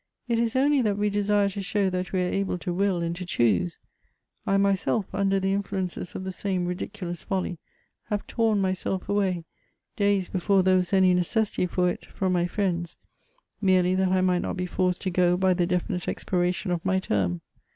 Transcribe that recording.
"It is only that we desire to show that we are able to will and to choose. I myself, under the influences of the same ridiculous folly, have torn myself away, days before there was any necessity for it, from my friends, merely that I might not be force 1 to go by the definite expiration of my term.